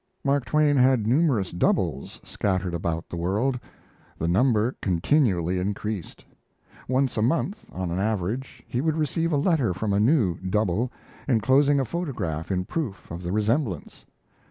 Mark Twain had numerous "doubles" scattered about the world. The number continually increased; once a month on an average, he would receive a letter from a new "double," enclosing a photograph in proof of the resemblance.